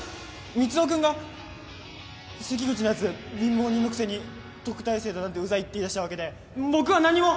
ミツオ君が関口のやつ貧乏人のくせに特待生だなんてうざいって言いだしたわけで僕は何も。